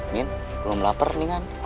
min belum lapar nian